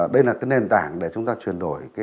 đây là nền tảng để chúng ta truyền đổi